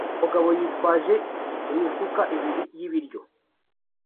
Umugabo yitwaje imifuka ibiri y'ibiryo